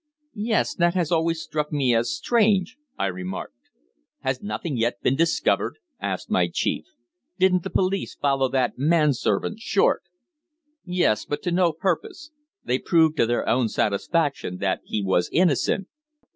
"Yes, that has always struck me as strange," I remarked. "Has nothing yet been discovered?" asked my chief. "Didn't the police follow that manservant Short?" "Yes, but to no purpose. They proved to their own satisfaction that he was innocent."